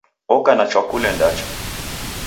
Oka na chwakule ndacha